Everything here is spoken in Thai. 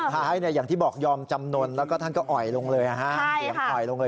สุดท้ายอย่างที่บอกยอมจำนนแล้วท่านก็อ่อยลงเลย